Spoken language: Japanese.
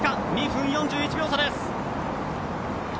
２分４１秒差です。